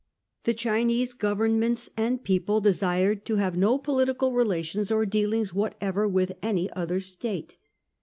The Chinese govern ments and people desired to have no political rela 1839 40. ' OLD CATHAY.' 167 tions or dealings whatever with any other State.